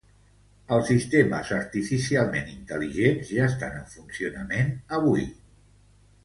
Els Sistemes artificialment intel·ligents ja estan en funcionament avui.